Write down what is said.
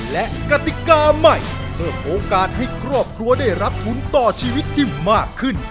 และกติกาใหม่เพิ่มโอกาสให้ครอบครัวได้รับทุนต่อชีวิตที่มากขึ้น